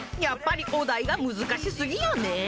やっぱりお題が難しすぎよね。